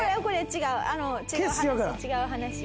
違う違う話違う話。